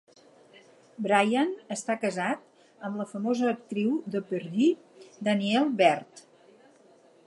Brian està casat amb la famosa actriu de Purdue, Danielle Bird.